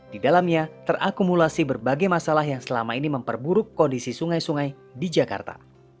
di dalamnya terakumulasi berbagai masalah yang selama ini memperburuk kondisi sungai sungai di jakarta